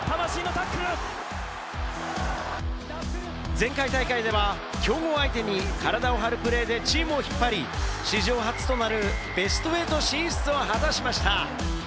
前回大会では強豪相手に体を張るプレーでチームを引っ張り、史上初となるベスト８進出を果たしました。